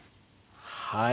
はい。